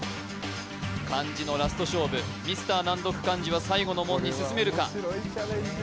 漢字のラスト勝負ミスター難読漢字は最後の門に進めるかこれは面白いチャレンジ